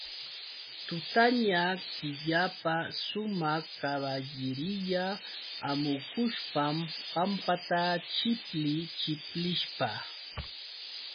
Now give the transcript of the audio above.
Tutaña killapa sumaq kaballiriya hamukushpam pampata chipli chiplishpa.